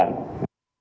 có nguy cơ bệnh